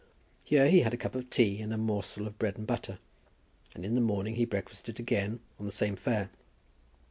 Here he had a cup of tea and a morsel of bread and butter, and in the morning he breakfasted again on the same fare.